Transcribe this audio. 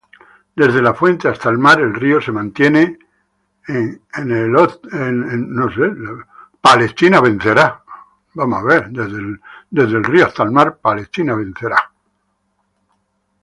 Desde la fuente hasta el mar, el río se mantiene en East Wicklow.